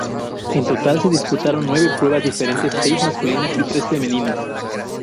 En total se disputaron nueve pruebas diferentes, seis masculinas y tres femeninas.